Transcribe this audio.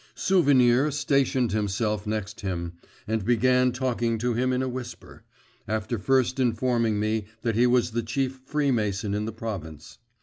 Souvenir stationed himself next him, and began talking to him in a whisper, after first informing me that he was the chief freemason in the province.